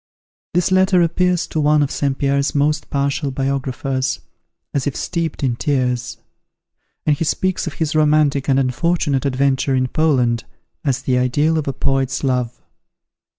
This letter appears to one of St. Pierre's most partial biographers, as if steeped in tears; and he speaks of his romantic and unfortunate adventure in Poland, as the ideal of a poet's love.